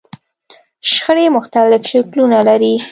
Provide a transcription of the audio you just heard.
شخړې مختلف شکلونه لري.